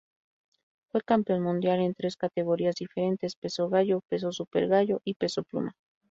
Fue campeón mundial en tres categorías diferentes, Peso gallo, Peso supergallo y Peso pluma.